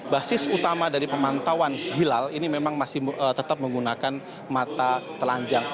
basis utama dari pemantauan hilal ini memang masih tetap menggunakan mata telanjang